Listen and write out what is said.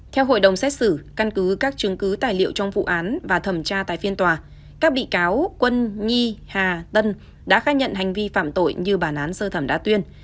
theo hội đồng xét xử căn cứ các chứng cứ tài liệu trong vụ án và thẩm tra tại phiên tòa các bị cáo quân nhi hà tân đã khai nhận hành vi phạm tội như bản án sơ thẩm đã tuyên